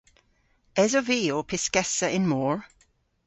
Esov vy ow pyskessa yn mor?